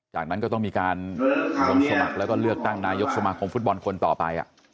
จากนั้นก็ต้องมีการลงสมัครแล้วก็เลือกตั้งนายกสมาคมฟุตบอลคนต่อไป